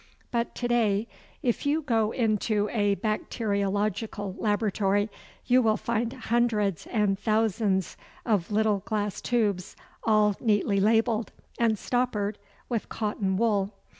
But to day if you go into a bacteriological laboratory you will find hundreds and thousands of little glass tubes all neatly labelled and stoppered with cotton wool.